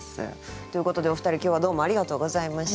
ということでお二人今日はどうもありがとうございました。